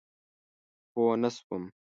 پوه نه شوم؟